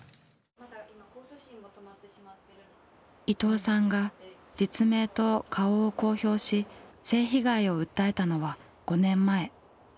伊藤さんが実名と顔を公表し性被害を訴えたのは５年前。